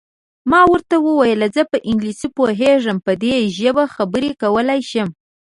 ما ورته وویل: زه په انګلیسي پوهېږم، په دې ژبه خبرې کولای شم.